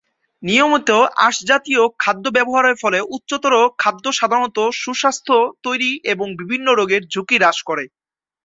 নিয়মিত আঁশজাতীয় খাদ্য ব্যবহারের ফলে উচ্চতর খাদ্য সাধারণত সুস্বাস্থ্য তৈরি এবং বিভিন্ন রোগের ঝুঁকি হ্রাস করে।